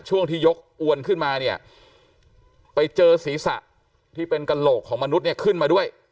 ช่วงที่ยกอวนขึ้นมาเนี่ยไปเจอศีรษะที่เป็นกระโหลกของมนุษย์เนี่ยขึ้นมาด้วย